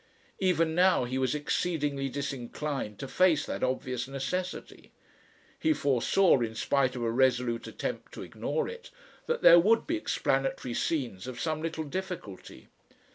Even now he was exceedingly disinclined to face that obvious necessity. He foresaw, in spite of a resolute attempt to ignore it, that there would be explanatory scenes of some little difficulty.